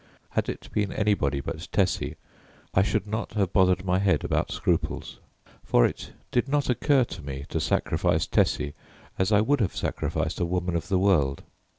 Had it been anybody but Tessie I should not have bothered my head about scruples. For it did not occur to me to sacrifice Tessie as I would have sacrificed a woman of the world.